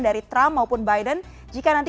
dari trump maupun biden jika nanti